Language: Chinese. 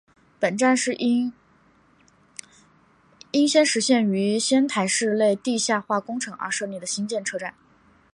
本站是因应仙石线于仙台市内地下化工程而设立的新建车站。